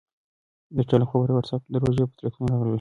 د چا لخوا ماته په واټساپ کې د روژې فضیلتونه راغلل.